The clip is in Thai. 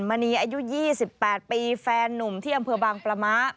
มณีอายุ๒๘ปีแฟนนุ่มที่อำเภอบางประมะ